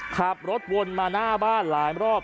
ขับรถวนมาหน้าบ้านหลายรอบ